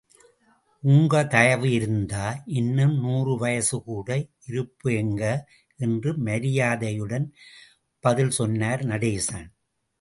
உங்க தயவு இருந்தா, இன்னும் நூறுவயசு கூட இருப்பேங்க என்று மரியாதையுடன் பதில் சொன்னார் நடேசன்.